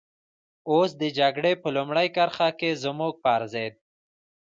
اوس د جګړې په لومړۍ کرښه کې زموږ پر ضد.